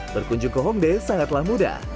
berkunjung ke hongdae sangatlah mudah